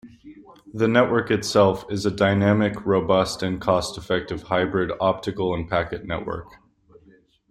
The network itself is a dynamic, robust and cost-effective hybrid optical and packet network.